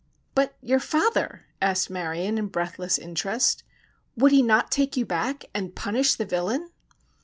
"But your father?" asked Marion in breathless interest. "Would he not take you back and punish the villain?"